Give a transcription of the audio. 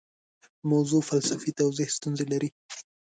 موضوع فلسفي توضیح ستونزې لري.